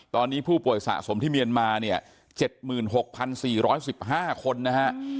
ตอนนี้ผู้ป่วยสะสมที่เมียนมาเนี่ย๗๖๔๑๕คนนะฮะ